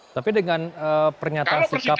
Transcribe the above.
tapi dengan pernyataan sikap